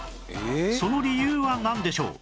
その理由はなんでしょう？